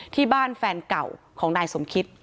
ที่บ้านแฟนเก่าของนายสมคิต